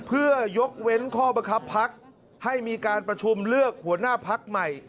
เพื่อยกเว้นข้อบังคับพักให้มีการประชุมเลือกหัวหน้าพักใหม่